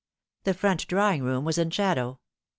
The front drawing room was in shadow.